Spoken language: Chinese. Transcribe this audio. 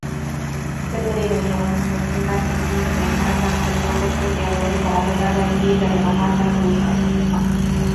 镇内有羊城新八景之一的莲花山和全国重点文物保护单位之一的莲花山古采石场。